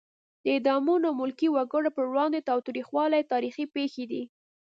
د اعدامونو او ملکي وګړو پر وړاندې تاوتریخوالی تاریخي پېښې دي.